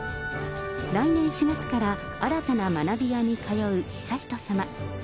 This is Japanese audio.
来年４月から新たな学びやに通う悠仁さま。